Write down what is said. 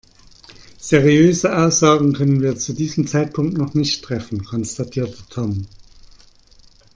Seriöse Aussagen können wir zu diesem Zeitpunkt noch nicht treffen, konstatierte Tom.